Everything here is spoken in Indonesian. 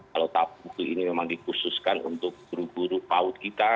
kalau tabuku ini memang dikhususkan untuk guru guru paut kita